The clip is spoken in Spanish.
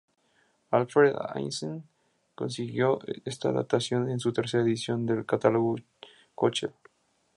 Alfred Einstein siguió esta datación en su tercera edición del Catálogo Köchel.